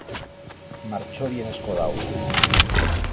Marchó bien escodau!